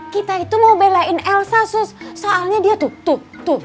kita itu mau belain elsa sus soalnya dia tutup tuh